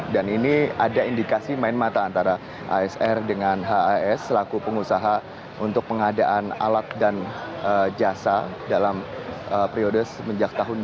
dan ini ada indikasi main mata antara asr dengan has selaku pengusaha untuk pengadaan alat dan jasa dalam periode semenjak tahun dua ribu tujuh belas